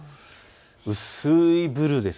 薄いブルーです。